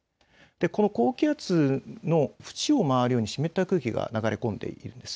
この高気圧の縁を回るように湿った空気が流れ込んでいきます。